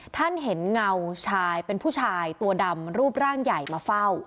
ท่านเห็นเงาชายเป็นผู้ชายตัวดำรูปร่างใหญ่มาเฝ้า